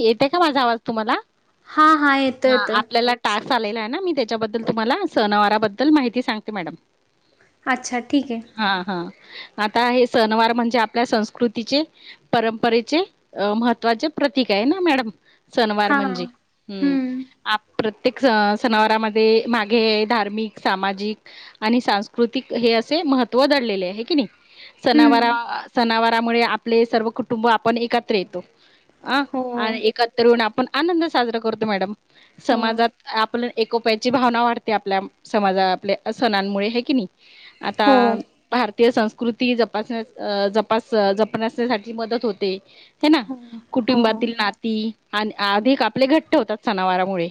येते का माझा आवाज तुम्हाला? हां, हां. येतं, ह येतं. आपल्याला टास्क आलेला आहे ना मी त्याच्याबद्दल तुम्हाला सनवारबद्दल माहिती सांगते मॅडम. अच्छा ठीक आहे. हा हा. आता हे सनवार म्हणजे आपल्या संस्कृतीचे, परंपरेचे, अ महत्त्वाचे प्रतीक आहे ना मॅडम सनवार म्हणजे हां. हम्. हं, आप प्रत्येक स -सनावरामध्ये मागे धार्मिक, सामाजिक आणि सांस्कृतिक हे असे महत्त्व दडलेले आहे की नाही? सनावरा हं. सनावरामुळे आपले सर्व कुटुंब आपण एकत्र येतो. अ हो, आणि एकतन आपण आनंद साजरा करतो मॅडम. हो, समाजात आपलं एकोप्याची भावना वाढते आपल्या समाजा- आपल्या सणांमुळे हे की नाही? आता हो, भार ते् संस्कृती जपासण्या जपास जपासण्यासाठी मदत होते हे ना. हो. हो, कुटुंबातील नाती आणि अधिक आपले घट्ट होतात सनावारमुळे.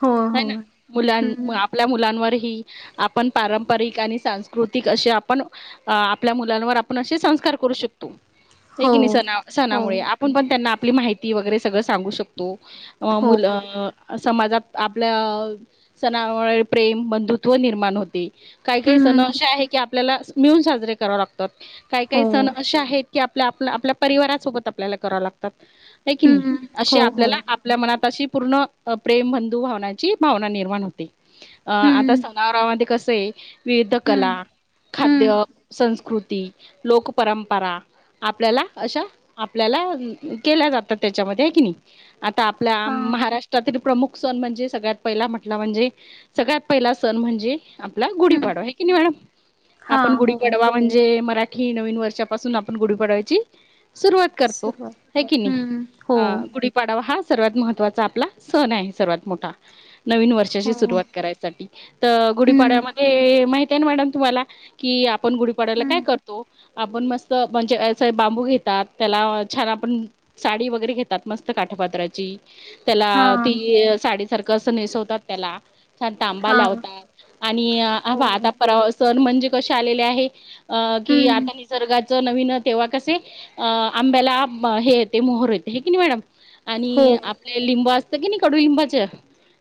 हो, ह ना हो. मुलांम आपण हं. आपल्या मुलांवरही आपण पारंपरिक आणि सांस्कृतिक असे आपण अ आपल्या मुलांवर आपण असे संस्कार करू शकतो. हे हो, की नाही स हो, -सणामुळे आपण पण त्यांना आपली माहिती वगैरे सगळं सांगू शकतो. तो अ हो. मुलं समाजात आपल्या सणामुळे प्रेम बंधुत्व निर्माण होते. काही काही सण हं. असे आहे की आपल्याला मिळून साजरे कराव लागतात. काही हो. काही सण असे आहेत. क आपल्या आप आपल्या परिवारासोबत आपल्याला करावं लागतात हे की नाही हं. हो, असे हो. आपल्याला आपल्या मनात अशी पूर्ण प्रेम बंधू भावनाची भावना निर्माण होते. अं आता हं, सणावरावा मध्ये कसं आहे विविध हं, कला, हं. खाद्य, संस्कृती. लोकपरंपरा आपल्याला अशा आपल्याला केल्या जातात त्याच्यामध्ये हे की नाही आता आपल्या हां, महाराष्ट्र प्रमुख सण म्हणजे सगळ्यात पहिला म्हटला म्हणजे सगळ्यात पहिला सण म्हणजे. हं. गुढीपाडवा की नाही मॅडम आपण हां, हो. गुढीपाडवा म्हणजे मराठी की नवीन वर्षापासून आपण गुढी पाडव्याची सुरुवात करतो. सुरुवात. कि नई हं. हो, हा. गुडी पाडवा हा सर्वात महत्त्वाचा आपला सण आहे सर्वात मोठा नवीन हो. वर्षाची सुरुवात करायचा तर गुढीपाडव्या हं, मध्ये माहित आहे ना मॅडम तुम्हाला? कि आपण गुढीपाडव्याला हं. काय करतो आपण मस्त म्हणजे अस बांबू घेतात. त्याला छान आपण साडी वगैरे घेतात मस्त काठापात्राची त्याला हां, ती साडी सारख कस नेसवतात त्याला छान ताबा हां. लावतात आणि हो. आता परवा सण म्हणजे कसे आलेले आहे अ की हं. आता निसर्गात च नवीन तेव्हा कसे अ आंब्याला हे येते मोहर येते की नाही मॅडम. हो. आणि आपले लिंब असत की नाही कडुलिंबाचे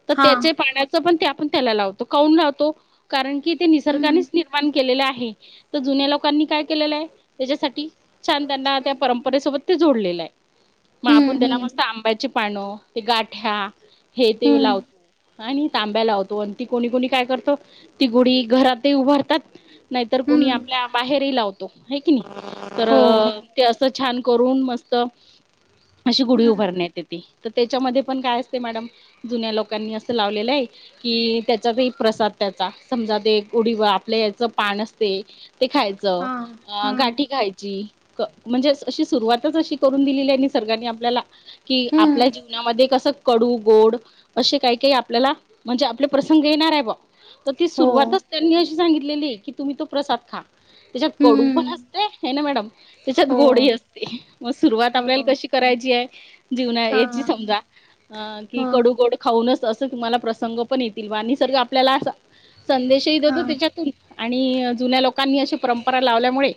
तर हां. त्याचे पाण्यात पण ते आपण त्याला लावतो. कौून लावतो? कारण की ते हं. निसर्गानेच निर्माण केलेलं आहे. तर जुन्या लोकांनी काय केलेलं आहे त्याच्यासाठी छान त्यांना त्या हम्म परंपरेसोबत ते जोडलेलं आहे मग आपण त्याला हम्म मस्त आंब्याची पान ते गाठ्या हे ते हम्म लाव आणि तांब्या लावतो. आणि ती कोणी कोणी काय करतो ती गुढी घरातही उभारतात. तर कोणी हम्म आपल्या बाहेरही लावतो. आहे की नाही. तर हो हो ते अस छान करून मस्त अशी गुढी हम्म उभारण्यात येते. तर त्याच्यामध्ये पण काय असते मॅडम जुन्या लोकांनी अस लावलेल आहे कि त्याचातही प्रसाद त्याचा. समजा ते गुडी आपल्या याच पान असते ते खायच. हा हा अ गाठी खायची. म्हणजे अस अशी सुरुवातच अशी करून दिलेली आहे निसर्गाने आपल्याला, की आपल्या हम्म जीवनामध्ये कस कडू गोड असे काही काही आपल्याला म्हणजे आपले प्रसंग येणार आहे बवा तर ती हो सुरुवातच त्यांनी अशी सांगितलेली आहे की तुम्ही तो प्रसाद खा. त्याच्यात कडू पण हम्म असते आहे ना मॅडम. त्याच्यात हो गोडही असते. ते मग सुरुवात आपल्याला हो कशी करायची आहे. जीवना हा याची समजा अ की हो कडूगोड खाऊनच अस तुम्हाला प्रसंग पण येतील निसर्ग आपल्याला अस संदेशही हा देतो त्याच्यातून. आणि जुन्या लोकांनी अशी परंपरा लावल्यामुळे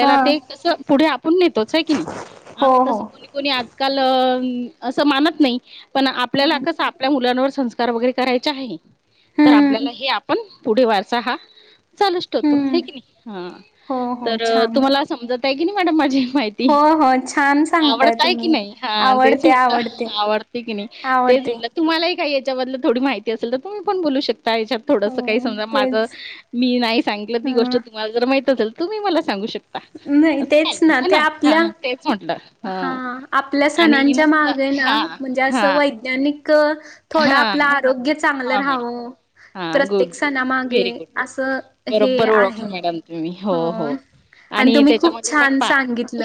हा ते कस पुढे आपण नेतोच आहे की नाही. हो हो कोणी कोणी आजकाल अस मानत नाही. पण आपल्याला हम्म कस आपल्या मुलावर संस्कार वगैरे करायचे आहे तर हम्म आपल्याला हे आपण पुढे वारसा हा चालू ठेवतो. हम्म आहे कि नाही. हम्म, हो हो तर छान तुम्हाला समजत आहे की नाही मॅडम माझी माहिती. हो हो छान सांगताय आवडताय की तुम्ही नाही. हा तेच आवडते म्हटल आवडते आवडते की नाही. तेच आवडते म्हटल. तुम्हालाही काही याच्याबद्दल थोडी माहिती असेल तर तुम्ही पण बोलू शकता याच्यात हो थोडस काही समजा माझ तेच मी नाही सांगितल ह ती गोष्ट तुम्हाला जर माहित असेल तुम्ही मला सांगू शकता. नाही असं काही तेच नाही ना हे त्या आपल्या हा तेच म्हटलं हा आपल्या आणि सणांच्या मस्त मागे ना हा म्हणजे अस हा वैज्ञानिक थोड हा आपल आरोग्य चांगल हा मॅडम राहाव हा गुड प्रत्येक गुड सणामागे व्हेरी गुड अस हे बरोबर आहे. ओळखलं मॅडम तुम्ही हो आणि तुम्ही खूप त्याच्यामध्ये पण छान पहा सांगितल.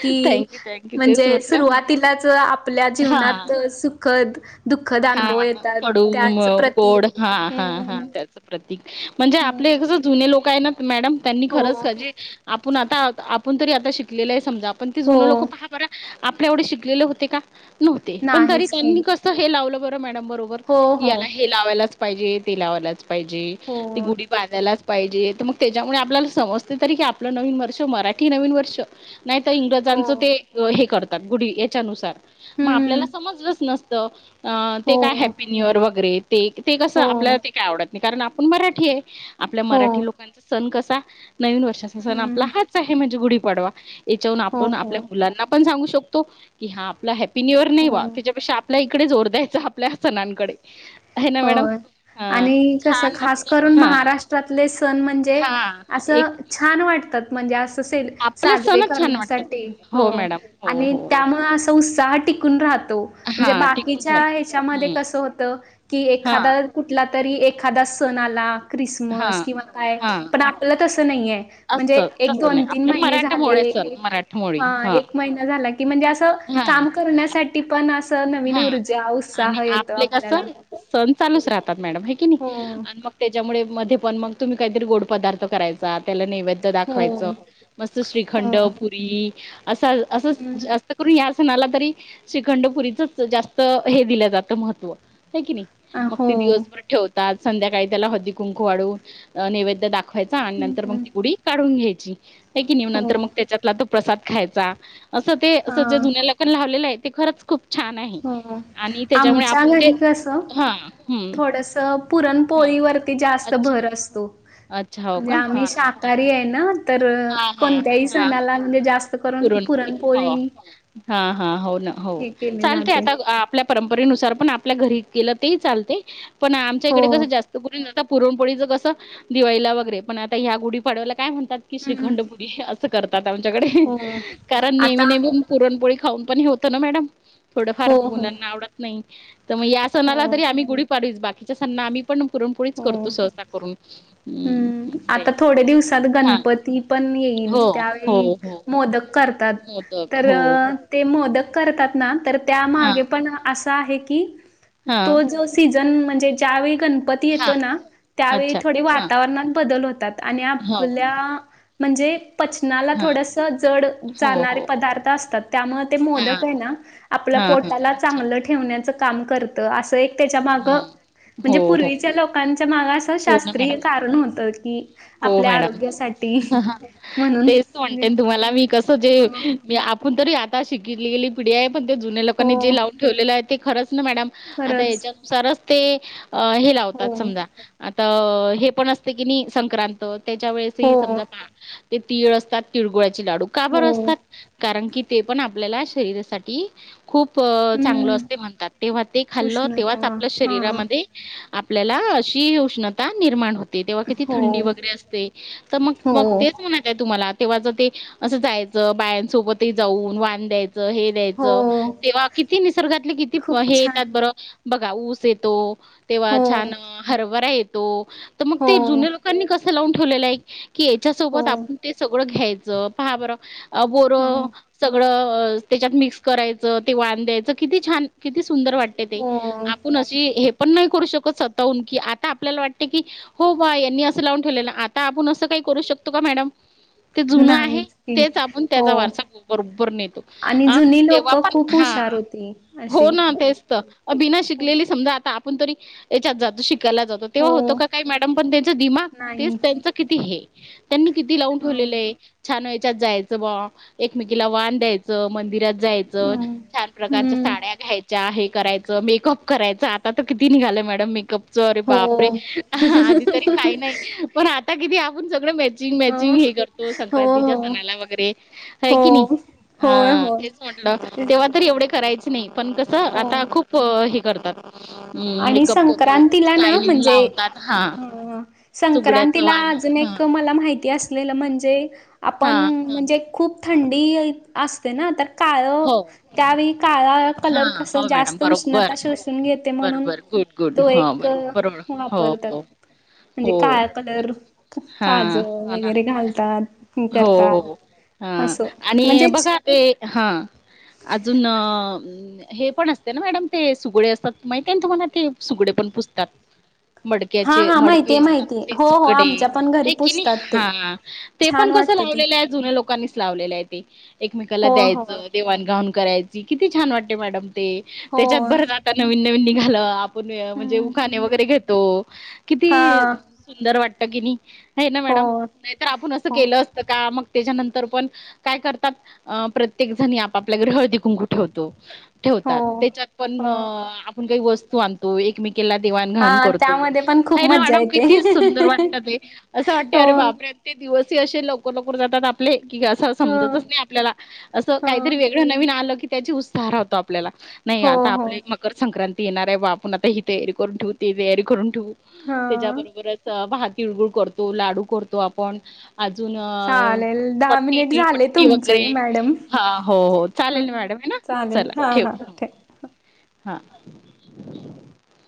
की थँक्यू थँक्यू तेच म्हणजे म्हटलं सुरुवातीलाच आप आपल्या हा जीवनात सुखद दुःखद हा अनुभव येतात कडू त्याच प्रतीक गोड हा हा हा हम्म त्याच प्रतीक म्हणजे आपले हम्म कस जुने लोक आहे ना मॅडम त्यांनी हो खरच जे आपुण आता आपण तरी आता शिकलेल आहे समजा. पण ते हो जुने लोक पहा बर आपल्या एवढे शिकलेले होते का? न्हवते. पण तरी नाहीच की त्यांनी कस हे लावल बर मॅडम बरोबर हो हो याला हे हे लावायलाच पाहिजे. ते लावायलाच पाहिजे. हो ते गुढी बांधायलाच पाहिजे. तर मग त्याच्यामुळे आपल्याला समजते तरी की आपल नवीन वर्ष मराठी नवीन वर्ष नाही तर हो इंग्रजांचं ते हे करतात गुढी याच्यानुसार. मग हम्म आपल्याला समजलच नसत. अ ते हो, काय हॅपी न्यू इयर वगैरे ते ते कस हो, आपल्याला ते काय आवडत नाही. कारण आपण मराठी आहे. आपल्या हो. मराठी लोकांचा सण कसा नवीन वर्षाचा सण आपला हं. हाच आहे. म्हणजे गुढीपाडवा. याच्याहून हो, आपण आपल्या हो, मुलांना पण सांगू शकतो की हा आपला हॅपी न्यू इयर नाही वा. हो. त्याच्यापेक्षा आपल्या इकडे जोर द्यायचा. आपल्या सणांकडे. आहे ना मॅडम. होय हा आणि कस छान खास मस्त करून हा महाराष्ट्रातले सण म्हणजे हा अस एक छान वाटतात. म्हणजे अस सेल आपले साजरे सणच छान वाटतात. करण्यासाठी. हो मॅडम हो आणि हो त्यामुळ अस तो उत्साह टिकून राहतो. हा म्हणजे टिकून बाकीच्या राहतो ह्याच्यामध्ये हम्म कस होत की हा एखाद तर कुठला तरी एखादा सण आला हा ख्रिसमस किंवा काय हा. पण आपल तस नाही आहे‌. म्हणजे असं एक तसं दोन नाही तीन आपल्या महिने मराठमोळे झाले सण की, मराठमोळी हा एक महिना झाला. की म्हणजे असं हा काम करण्यासाठी पण असं नवीन हा ऊर्जा आणि उत्साह येतो आपले कसं आपल्याला. सण चालूच राहतात मॅडम आहे की नाही, हो, आणि मग त्यांच्यामुळे मध्ये पण मग तुम्ही काहीतरी गोड पदार्थ करायचा त्याला नैवेद त हो, हो, दाखवायचं मस्त श्रीखंड हं, पुरी असं असंच जा तत्पूर्वी या सणाला तरी श्रीखंडपुरीचच जास्त हे दिलं जातं महत्त्व, होय कि नाही? आ, मग हो, ते दिवसभर ठेवतात संध्याकाळी त्याला हळदी कुंकू वाढवून नैवेद्य दाख खायचा आणि नंतर मग हं, ती गुढी काढून घ्यायची आहे की नाही हो, नंतर मग त्याच्या आपला तो प्रसाद खायचा असं ते असं जे हां, जुन्याला पण लावलेलं आहे ते खरंच खूप छान आहे हा हा, आणि त्याच्यामुळे आमच्या आपण ते घरी कसं हा हम्म थोडसं हा पुरणपोळीवरती जास्त अच्छा भर असतो. अच्छा! हो का, हा नाही कार्य आहे ना तर हा हा कोणत्याही हा सणाला म्हणजे जास्त पुरणपोळी, हो हा हा हो ना, हो हे केली चालते जाते. आता आपल्या परंपरेनुसा तर पण आपल्या घरी केलं ते चालतंय पण आमच्या हो, इकडे कसं जास् तोपर्यत पुरणपोळीच कसं दिवाळी वगैरे पण ह्या गुढीपाडव्याला काय म्हणतात की हं, श्रीखंड पुरी असं करतात आमच्याकडे, हो. कारण नेहमी आता नेहमी पुरणपोळी खाऊ पण हे होतं ना मॅडम, थोडंफार हो, हो, मुलांना आवड नाही तर मग या सणाला हो, तरी आम्ही गुढीपाडवीच बाकीच्या सणांना आम्ही पण पुरणपोळीच करतो हो. सहसा करून ह हम्म, असय, आता थोड्या दिवसात हा गणपती पण येईल हो हो त्यावेळी हो मोदक करतात मोदक तर हो ते मोदक करतात ना तर हा त्यामागे पण असा आहे की हा तो जो सीझन म्हणजे ज्यावेळी गणपती हा येतो ना त्यावेळी अच्छा थोडे हा वातावरणात बदल होतात. आणि हो आपल्या म्हणजे पचनाला हा थोडसं जड हो जाणारे हो पदार्थ असतात त्यामुळे ते हा मोदक आहे ना आपलं हा हा पोटालाच अच्छा चांगल ठेवण्याचं काम करत असं एक त्याच्या माग हम्म म्हणजे हो हो पूर्वी लोकांच्या माग असं हो ना शास्त्रीय मॅडम कारण होतं की, हो आपल्या मॅडम, आरोग्यासाठी म्हणून तेच म्हणते तुम्हाला मी कसं जे हम्म मी आपूण तरी आता शिकलेली पिढी आहे पण ते जुन्या हो लोकांनी जे लावून ठेवलेलं आहे ते खरंच ना मॅडम आता खरंच हेच्या नुसारच ते अ हे हो लावतात समजा आता हे पण असते की नाही संक्रांत त्याच्या हो वेळेसही समजाहा ते तीळ असतात तिळगुळाचे लाडू का हो बरं असतात? कारण कि ते पण आपल्याला शरीरासाठी खूप चांगलं हम्म असते म्हणतात तेव्हा ते खाल्लं उष्णता तेव्हाच आपल्या हा शरीरामध्ये आपल्याला अशी उष्णता निर्माण होते. तेव्हा किती हो थंडी वगैरे असते. तर मग मग हो तेच म्हणायचं आहे तुम्हाला तेव्हांच ते, असं जायचं बायांसोबत जाऊन वान द्यायचं हे द्यायच, हो तेव्हा किती निसर्गातले किती खूप हे येतात छान बरं बघा ऊस येतो. तेव्हा हो छान हरभरा येतो तर मग हो ते जुन्या लोकांनी कसं लावून ठेवलेलं आहे? की यांच्यासोबत हो आपण ते सगळं घ्यायचं पहा बरं बोर, हो सगळं त्याच्यात मिक्स करायचं ते वान द्यायचं किती छान किती सुंदर वाटतं. ते, ते, आ हो पण अशी हे पण नाही करू शकत स्वतःहून की आता आपल्याला वाटते की हो बा यांनी लावून ठेवले, आता आपण असं काही करू शकतो का मॅडम? ते जुनं आहे नाहीच की तेच आपण हो त्याचा वारसा बरोबर नेतो आणि अ जुनी लोक तेव्हा पण खूप हा हुशार होती हो अशी ना तेच तर बिना शिकलेली समजा आता आपण तरी याच्यात जातो शिकायला जातो. तेव्हा हो होतो का काय मॅडम पण त्यांच दिमाग तेच नाही त्यांच किती हे त्यांनी किती लावून ठेवलेलं ह आहे छान याच्यात जायचं बा एकमेकीला वान द्यायचं मंदिरात जायचं हम्म छान प्रकारच्या हम्म साड्या घ्यायच्या आहे कराय मेकअप करायचं आता तर किती निघालंय मॅडम मेकअप चोरे हो बापरे आधी तरी काही नाही पण आता किती आपण सगळे म मॅचिंग, हो मॅचिंग हे करतो हो संक्रांतीच्या हो सणाला वगैरे हाय कि हो नाही. हा होय होय तेच म्हटलं ते तेव्हा तर एवढे करायचे. पण कस आता हो खूप हे करतात. हम्म, आणि मेकअप करू संक्रांतीला ना स्टाईलिंग म्हणजे लावतात हा. हं, सुगड्याचं संक्रांतीला वाण अजून हा एक मला माहिती असलेलं म्हणजे हा आपण हा म्हणजे खूप थंडी असते ना तर काळं हो त्यावेळी काळा हा कलर कस हो मॅडम जास्त बरोबर उष्णता शसून घेत म्हणून बरोबर गुड गुड तो हा एक बरोबर बरोबर हो वापरतात. हो म्हणजे हो काय कलर हा काज हो ना वगैरे घालतात हो करतात. हो हा असं आणि म्हणजेच बघा ते हा अजून हे पण असते ना मॅडम ते सुगडे असतात माहिती आहे तुम्हाला ते सुगडे पण पुजतात? हा मडक्याचे हा मडके माहितीये असतात माहितीये ते हो हो सुकडे आमच्या पण घरी हाय कि नाही पुजतात ते हा. ते पण छान कसं वाटतं ते लावलेलं आहे जुन्या लोकांनीच लावलेलं आहे ते एकमेकाला हो द्यायचं हो देवाणगाऊन करायची किती छान वाटते मॅडम ते हो त्याच्यात भर आता नवीन, नवीन निघालं म्हणजे हम्म उखाने वगैरे घेतो हा किती सुंदर वाटत कि नाही. हाय ना हो मॅडम नाही तर आपण असं हो केलं का मग त्याच्यानंतर पण काय करतात प्रत्य प्रत्येक जणी आप आपल्या घरी हळदी, कुंकू ठेवतो हो ठेवतात त्याच्यात पण हो आपण काही वस्तू आणतो एकमेकी केला देवाण हा घावान करतो त्यामध्ये पण खूप आहे ना मज्जा मॅडम येते किती सुंदर वाटत ते असं वाटते हो अरे बापरे ते दिवसी असे लवकर, लवकर जातात आपले कि असं हो समजतच नाही आपल्याला असं हो काहीतरी वेगळं नवीन आलं की त्याची उत्साहतो आपल्याला नाही हो आता हो आपली मकर संक्रांती येणार आहे बा आपण आता ही तयारी करून ठेवू, ती तयारी करून ठेवू हा त्याच्याबरोबरच भात तिळगुळ करतो, लाडू करतो आपण अजून चालेल दहा पट्टी मिनिट झाले तिळपट्टी तुमचे वगैरे मॅडम हा हो हो हं, चालेल मॅडम आहे ना चालेल चला हा हा ठेवु ठेव हा...